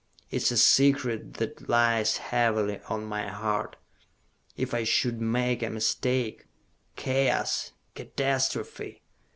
It is a secret that lies heavily on my heart. If I should make a mistake.... Chaos! Catastrophe!